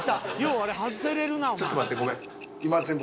あれ外せれるなお前］